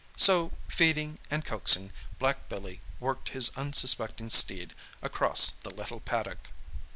So, feeding and coaxing, black Billy worked his unsuspecting steed across the little paddock.